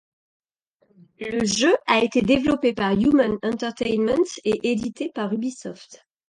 Le jeu a été développé par Human Entertainment et édité par Ubisoft.